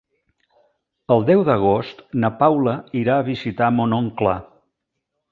El deu d'agost na Paula irà a visitar mon oncle.